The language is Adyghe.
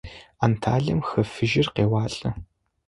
Анталием Хы Фыжьыр къеуалӏэ.